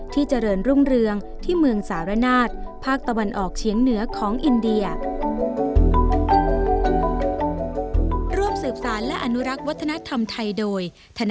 เจริญรุ่งเรืองที่เมืองสารนาศภาคตะวันออกเฉียงเหนือของอินเดีย